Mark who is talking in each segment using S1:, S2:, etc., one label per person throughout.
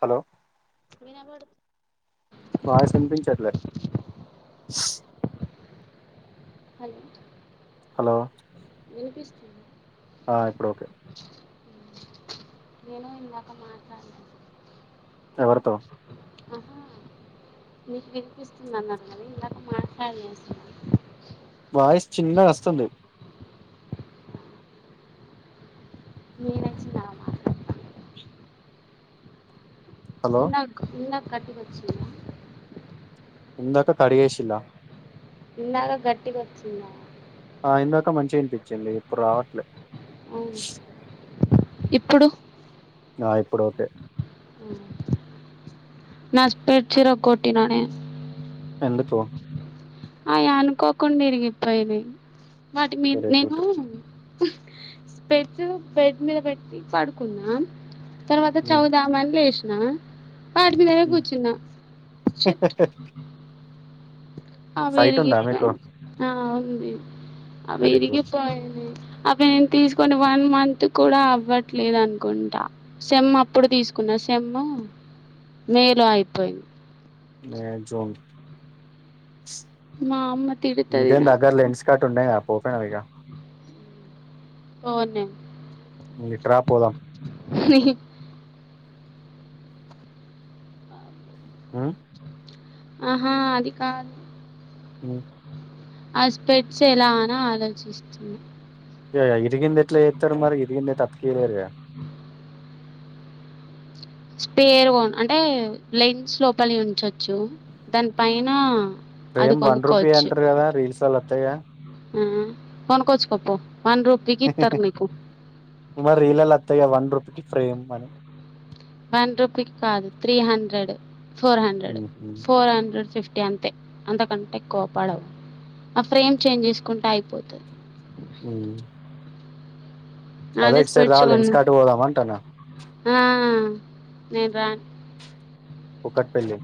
S1: Hello
S2: వినబడు
S1: voice అనిపించట్లే
S2: hello
S1: hello
S2: వినిపిస్తుంది
S1: ఆ ఇప్పుడు ఓకె
S2: నేను ఇందాక మాట్లాడలేను
S1: ఎవరితో
S2: ఆహా నీకు వినిపిస్తుంది అన్న కద ఇందాక మాట్లాడిస్తున్నాను
S1: వాయిస్ చిన్నగ అస్తుంది
S2: నేనె చిన్నగ మాట్లాడిన
S1: హలో
S2: ఉన్నా ఉన్నా గట్టిగ అచ్చిందా [unintelligible]
S1: ఇందాక కడ్ చేసిళ్ల
S2: ఇందాక గట్టిగ అచ్చిందా
S1: ఆ ఇందాక మంచి ఇన్పిచ్చిందీ ఇప్పుడు రావట్లే
S2: ఉ ఇప్పుడు
S1: ఆ ఇప్పుడు ఓకే
S2: నా స్టేట్ సిర కొట్టినానే
S1: ఎందుకు
S2: అయ్ అనుకోకుండా ఇరిగిపోయినయ్ వాటి మీ
S1: వెరీ
S2: నేనూ
S1: గుడ్
S2: [unintelligible] బెడ్ మీద పెట్టి పడుకున్నాం తర్వాత చదుదామని లేష్నా వాటి మీదనే కూర్చున్న షెట్ అవా
S1: సైట్ ఉందా మీకు
S2: ఇరిగిపోయినై ఆ అవి అవి
S1: వెరీ గుడ్
S2: ఇరిగిపోయినై నేన్ తీసుకొని వన్ మంత్ కూడా అవ్వట్లేదునుకుంటా సెమ్ అప్పుడు తీసుకున్న సె ఎమ్మ్ మే లో అయిపోయింది
S1: మే జూన్
S2: మా అమ్మ తిడుతది
S1: ఇంకేంద్ అగర
S2: నన్ను
S1: లెన్స్ కట్ ఉండయా పోకరా ఇగ
S2: అవునా
S1: ఇట్రా పోదాం
S2: ఇహిహి
S1: ఊ
S2: ఆహా అది కాద్
S1: ఊ
S2: అ స్పెట్స్ ఎలానా ఆలోచిస్తున్న
S1: కే ఇరిగింది ఎట్లా ఏత్తరు మరి ఇరిగింది ఐతే అతికీయలేరుగా
S2: స్పేర్ వోన్ అంటే లెన్స్ లోపలి ఉంచొచ్చు దాని పైనా
S1: ఫ్రేమ్ వన్ రూపీ అంటరు గదా రీల్స్ లల్లా ఒత్తయ్ గా
S2: ఆ కొనుకొచ్చుకోపో
S1: మరి ఇలాలొత్తయ్ గా వన్ రూపీకి ఫ్రేమ్ అని
S2: వన్ రూపీ కాదు త్రీ హండ్రెడ్ ఫోర్ హండ్రెడ్
S1: ఉమ్, ఉమ్.
S2: ఫోర్ హండ్రెడ్ ఫిఫ్ ఇయంతే అంతకంటే కోప్పడవు ఆ ఫ్రేమ్ చేంజ్ చేసుకుంటే అయిపోతది
S1: ఊ
S2: అదే స్పెట్స్ గొను
S1: ఎంస్కాట్ పోదాం అంటానా
S2: ఆ నేన్ రాన్
S1: కుక్కట్పల్లి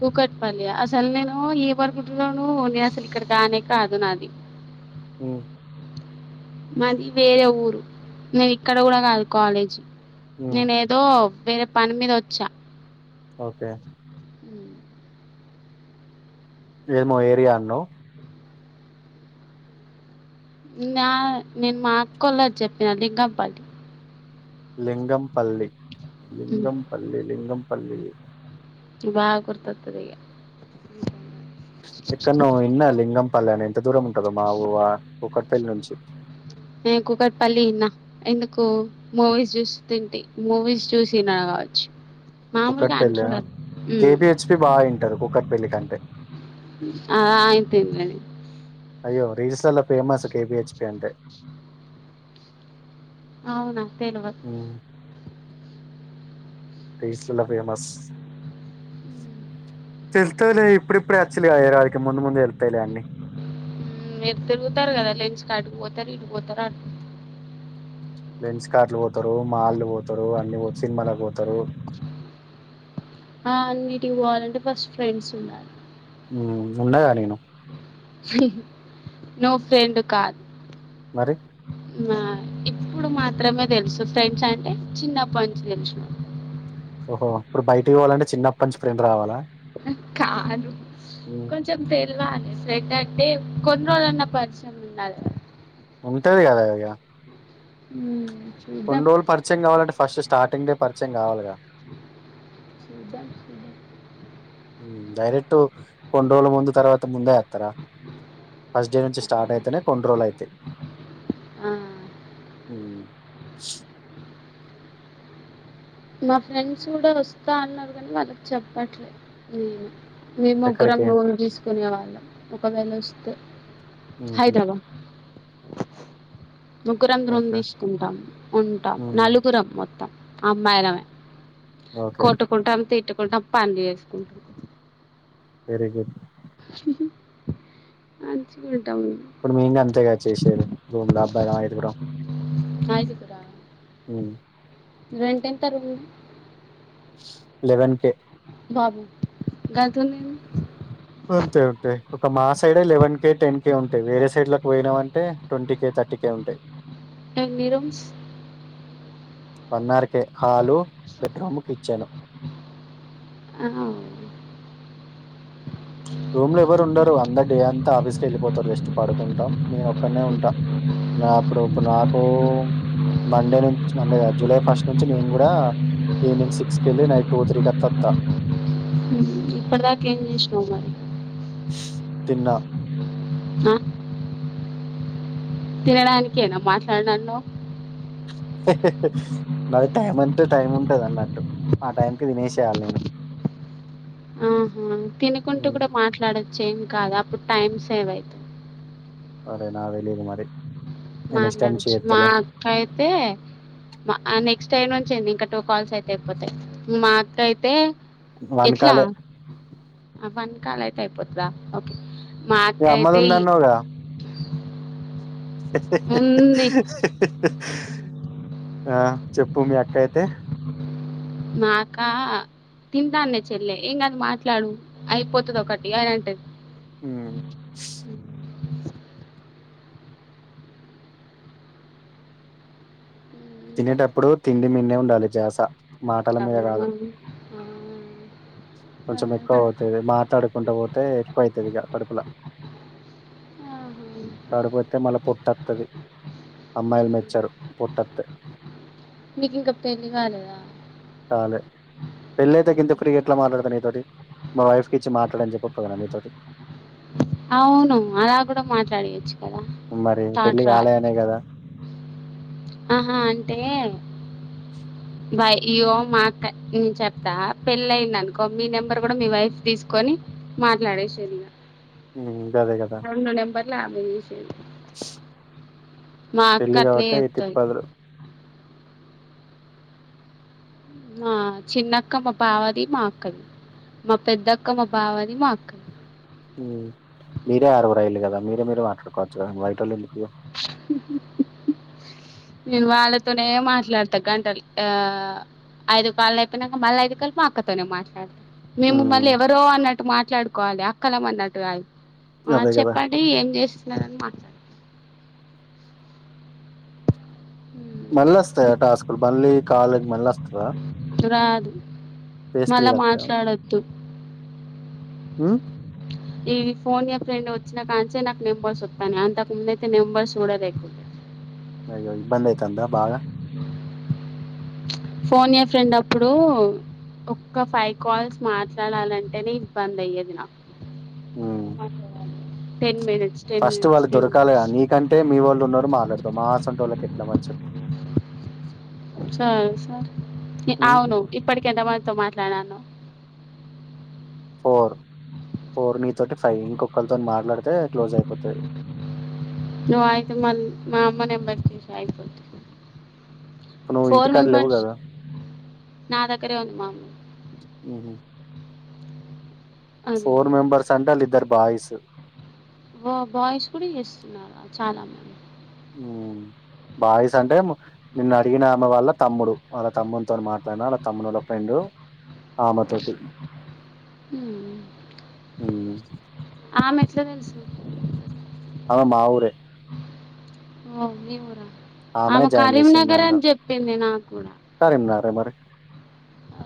S2: కూకట్పల్లి ఆ అసల్ నేను ఏమనుకుటున్నానూ నే అసలు ఇక్కడి దాన్నే కాదు నాది
S1: ఊ
S2: మాది వేరే ఊరు నే ఇక్కడ గూడా కాదు కాలేజ్
S1: ఉమ్
S2: నేనేదో వేరే పని మీద ఒచ్చా
S1: ఓకే ఏమో ఏరియా అన్నవ్
S2: నా నేను మా అక్కోలద్ చెప్పిన [unintelligible]
S1: లింగం పల్లి లింగంపల్లి లింగంపల్లిది
S2: బా గుర్తొత్తది ఇగ
S1: ఎక్కడ్నో ఇన్న లింగంపల్లి అని ఎంత దూరం ఉంటదో మా ఊ ఆ కుకట్పల్లి నుంచి
S2: నీ కూకటిపల్లి న ఎందుకూ మూవీస్ చూస్తుంటి మూవీస్ చూసినా మాములుగా
S1: కుక్కట్పల్లి
S2: అంట్రుగా
S1: కేపిహెచ్పి బాగా వింటారు కుక్కట్పల్లి కంటే
S2: ఆఆ అయిపోయిందండి
S1: రీల్స్ లలో ఫేమస్ కెబి హెచ్ పి అంటే
S2: అవునా తెలువద్
S1: ఉమ్ రీల్సుల ఫేమస్ తెల్తదిలే ఇప్పుడిప్పుడే అచ్చిల్లు కదా హైద్రబాద్ కి ముందు ముందు తెల్తయిలే అన్నీ
S2: మీరు తిరుగుతారు గదా లేన్స్ కటుపోతరు ఇటుపోతరు అం
S1: లెన్స్ కార్ట్లు పోతరూ మాల్లు పోతరు అన్ని పో సినిమాలకు పోతరు
S2: ఆ అన్నీటికి పోవాలంటే ఫస్ట్ ఫ్రెండ్సుండాలి
S1: ఊ ఉన్నగా నేను
S2: నువ్ ఫ్రెండు కాద్
S1: మరి
S2: ఆ ఇప్పుడు మాత్రమే తెలుసు ఫ్రెండ్స్ అంటె చిన్నప్పన్చి తెలిసినోళ్ళు
S1: ఒహో ఇప్పుడు బయటకి పోవలంటె చిన్నప్పన్చి ఫ్రెండ్ రావాలా
S2: కాదు
S1: ఉమ్,
S2: కొంచం తెల్వాలె ఫ్రెండ యే కొన్నిరోలన్నా పరిచయం ఉండాలె
S1: ఉంటదిగద ఇగ
S2: ఊ
S1: కొన్ రోలు పరిచయం కావాలంటే ఫస్ట్ స్టార్టింగ్ డే పరిచయం కావాలగా
S2: దాం చూద్ధం
S1: డైరెక్టు కొన్ రోలు ముందు తర్వాత ముందే ఏత్తరా ఫస్ట్డే నుంచి స్టార్ట్ అయితనే కొన్ రోలయితయ్
S2: ఆ
S1: ఊ
S2: మా ఫ్రెండ్స్ గుడా వస్తా అన్నరు గనీ వాళ్ళకి చెప్పట్లే నేను మేమ్ ముగ్గురం
S1: ఎక్కడికి
S2: రూమ్ దీసుకునే వాళ్ళం ఒకవేలొస్తె
S1: ఉహు,
S2: హైద్రబా ముగ్గురం రూమ్
S1: ఓకే
S2: దీస్కుంటాం ఉంటాం
S1: ఉమ్,
S2: నలుగురం మొత్తం మ్మాయిలమే
S1: ఓకే
S2: కొట్టుకుంటం తిట్టుకుంటం పన్జేసుకుంటం
S1: ఎయ్యొద్
S2: హు హు మంచిగు
S1: ఇప్పుడు మేం గంతేగా చేషేది రూమ్ల అబ్బాయిలం ఐదుగురం
S2: ఐదుగురా
S1: ఉమ్
S2: రెంటెంత రూమ్ ది
S1: లెవన్ కే
S2: బాబు గతుందేంది
S1: అంతే ఉంటై ఒక మా సైడే లెవెన్ కే టెన్ కే ఉంటై వేరే సైడ్లకి పొయినవంటే ట్వంటీ కే త ర్టీ కే ఉంటై
S2: ఎన్ని రూమ్స్
S1: పద్నా hall bedroom kitchen room లో ఎవరు ఉండరు అందరు డే అంత ఆఫీస్ కెళ్ళిపోతరు జస్ట్ పడుకుంటాం నేను ఒక్కన్నే ఉంటా నా అప్పుడు ఇప్పుడు నాకూ మండే నుం చి మండే గాదు జులై ఫస్ట్ నుంచి నేన్ గుడా ఈవినింగ్ సిక్స్ కెళ్ళి నైట్ టూ త్రి కట్లత్త
S2: ఇప్పుటిదాకేం జేష్నవ్ మరి
S1: తిన్నా
S2: అ తినడానికేన మాట్లాడనన్నావ్
S1: నాది టైం అంటె టైం ఉంటది అన్నట్టు ఆ టైం కి తినే శెయాల నేను
S2: ఆహా తినుకుంటూ
S1: ఉమ్,
S2: కూడ మాట్లాడచ్చు ఏ కాదు అప్పుడు టైమ్ సేవ్ ఐద్దీ
S1: అరే నాకు తెలీదు మరి నేను నెక్స్ట్ టైం
S2: మాట్లాడచ్చు మా
S1: చేత్తలే
S2: అక్క అయితే మా అని నక్స్ట్ టైం నుంచి అండి ఇంకా టూ కాల్స్ అయితే అయిపోతాయి ఇక మా అత్త అయితే ఎట్లా
S1: వనకాలే
S2: వన్ కాల్ అయితే అయిపోతదా ఓకే మా
S1: మీ
S2: అక్క
S1: అమ్మది
S2: అయితే ఈ
S1: ఉందన్నావుగా హే
S2: ఉంది.
S1: హె.......... ఆ చెప్పు మీ అక్క అయితే
S2: నాక తింటాన్నే చెల్లేె ఏం కాదు మాట్లాడు అయిపోతది ఒకటి అని అంటది
S1: ఊ
S2: హ్మ్. హ్మ్. ఇంకా
S1: తినేటప్పుడు తిండి మిందే ఉండాలి ద్యాస మాటల మీద
S2: అమ్మో!
S1: కాదు
S2: ఆ
S1: కొంచెం
S2: ఆహా!
S1: ఎక్కువ అవుతది మాట్లాడుకుంట పోతే ఎక్కువ అయీతది ఇక కడుపులా
S2: ఆహా!
S1: కడుపోతే మల్ల పొట్టవత్తది అమ్మాయిలు మెచ్చారు పోటోతే
S2: మీకు ఇంకా పెళ్లి కాలేద
S1: పెళ్లి కాలే పెళ్ళైతే గింత ఫ్రీగా ఎట్లా మాట్లాడతా నీతోటి మా వైఫ్ కి ఇచ్చి మాట్లాడ అని [unintelligible] పోయన నీతోటి
S2: అవును అలా కూడ మాట్లాడియొచ్చు
S1: మరి పెళ్లికాలే అనే కదా
S2: ఆహా అంటే బాయ్ ఇగొ మాట నేను చెప్తా పెళ్ళఅయింది అనుకో మీ నెంబర్ కూడ మీ వైఫ్ తీసుకొని మాట్లాడే [unintelligible]
S1: ఉ గదే కదా
S2: [unintelligible] మా అక్క
S1: పెళ్లి
S2: అట్నే చేత్తది.
S1: [unintelligible]
S2: మా చిన్నక్క మా బావది మా అక్కది మా పెద్దక్క మా బావది మా అక్
S1: మీరే ఆరుగురు రైలు కదా మీరు మీరు మాట్లాడుకోవచ్చు కదా బయటోళ్ళుందుకు
S2: ఉ హు నేను వాళ్ళతోనే మాట్లాడతా గంటలు ఆ ఐదు కాల్లు అయిపోయినాక మళ్ళీ ఐదు కాల్లు మా అక్కతోనే మాట్లాడ్ మేము మళ్ళీ
S1: ఉమ్
S2: ఎవరో అన్నట్టు మాట్లాడుకోవాలే అక్కలం అన్నట్టు గాదు ఆ
S1: అదే కదా
S2: చెప్పండి ఏం చేస్తున్నరు [unintelligible]
S1: మళ్ళ వస్తాయ టాస్కుల్ మళ్ళీ కాల్ మళ్ళి వస్తద
S2: రాదు మళ్ళ మాట్లాడొద్దు
S1: ఉం
S2: ఈ ఫోన్ ఎ ఫ్రెండ్ వచ్చి నాకానుచే నాకు నెంబర్స్ వస్తానాయ్ అంతకు ముందతే నెంబర్స్ కూడా లేకుడె
S1: అయ్య ఇబ్బంధతుందా బాగా
S2: ఫోన్ ఏ ఫ్రెండ్ అప్పుడు ఒక్క ఫైవ్ కాల్స్ మాట్లాడాలంటేనే ఇబ్బంది అయ్యేది నాకు
S1: ఉమ్
S2: టెన్మినిట్
S1: ఫస్ట్ వాళ్ళు దొరకాల నీకంటే మీ వాళ్ళు ఉన్నారు మా మా అస్మంటోళ్ల కేట్లా మరి చెప్పు
S2: స స
S1: ఉమ్
S2: అవును ఇప్పటికెందమాతో మా ఇట్లాన్నానో
S1: ఫోర్ ఫోర్ నీతోటి ఫైవ్ ఇంకొకరితోన్ మాట్లాడు తే క్లోజ్ అయిపోతాది
S2: నువ్వు అయితే మళ్ళీ మా అమ్మ నెంబర్ జేసేయ్ అయిపోది
S1: నువ్వు ఇంటికాడ లేవు కదా
S2: నా దగ్గరే ఉంది మా
S1: ఉహు
S2: అది
S1: ఫోర్ మెంబర్స్ అంటె వాళ్ళ ఇద్దర్ బాయ్స్
S2: ఓ బాయ్స్ కూడా చేస్తున్నారు చాలా మంది
S1: ఉ బాయిస్ అంటే నిన్ను అడిగిన ఆమె వల్ల తమ్ముడు వాళ తమ్ముతో మాట్లాడిన వాళ తమ్ముడుళ ఫ్రెండు ఆమెతోటి
S2: ఆమె ఎట్ల తెల్సు
S1: అమె మా ఊరే
S2: ఓ మీవురా
S1: ఆమెనే
S2: ఆమె
S1: జాయిన్ చేసింది
S2: కరీంనగర్
S1: నన్ను
S2: అని చెప్పింది నాకు గూడా.
S1: కరీంనగరే మరి
S2: ఆ!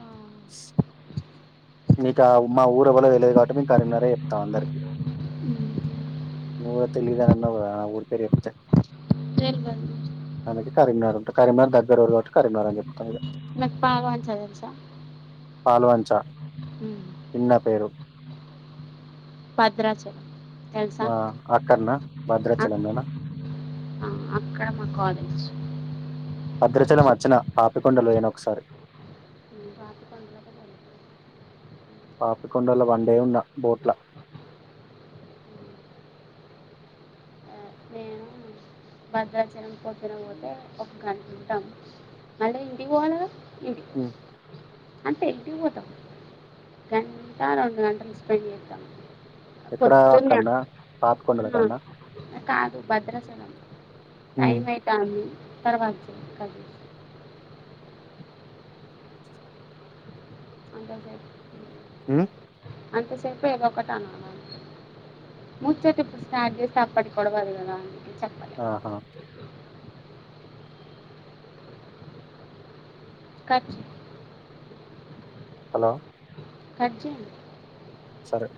S1: నికా మా ఊర ఎవల్లి తేలిదు కాబట్టి కరీంనగర్ చెప్తం అందరికీ
S2: హ్మ్.
S1: నువ్వు తెలీదాని అన్నావ్ కదా ఊరు పేరు చెప్తే
S2: తెల్వదు.
S1: అందుకే కరీంనాగం కరీంనగం దగ్గరఊరు కాబట్టి కరీంనగరం చెప్తం
S2: నాకు పాల్వంచ తెలుసా?
S1: పాలవంచ
S2: హ్మ్.
S1: చిన్న పేరు
S2: భద్రాచలం తెలుసా
S1: ఆ అక్కడనా
S2: అ
S1: భద్రాచలంలోనా
S2: అక్కడ మాకు కాదు [inaudible]
S1: భద్రచలం అచ్చన పాపికొండలు పోయిన ఓకసారి
S2: పాపికొండలకి పోయినవా
S1: పాపికొండల వన్డే ఉన్న బోట్ల
S2: ఆ నేనా భద్రాచలం పోతున పోతే ఒక గంట ఉంటాం మళ్ళీ ఇంటికీ పోవాలికదా
S1: హ్
S2: అంతే ఇంటికీ పోతాం గంట రెండు గంటలు స్పెండ్ చేస్తాం
S1: ఎక్కడ
S2: పొద్దున
S1: అక్కడనా పాపికొండల
S2: అ
S1: కాడనా
S2: కాదు భద్రాచలం టైం అయితాంది తరువాత చెప్తాను అంతే సార్
S1: ఉం
S2: అంతసేపె ఏదోకటి అనాల మూచ్చాయి చెప్పు స్టార్ట్ చేసి తప్పడి పొడవాలి గదా
S1: ఆహా
S2: కట్
S1: హలో
S2: కటజేయండి
S1: సరే